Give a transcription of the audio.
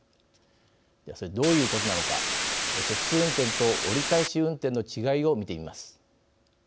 それはどういうことなのか直通運転と折り返し運転の違いを見てみます。